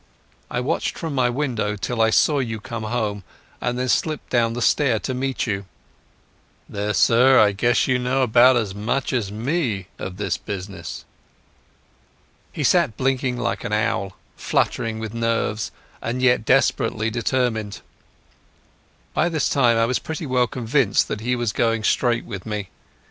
I watched from my window till I saw you come home, and then slipped down the stair to meet you.... There, sir, I guess you know about as much as me of this business." He sat blinking like an owl, fluttering with nerves and yet desperately determined. By this time I was pretty well convinced that he was going straight with me.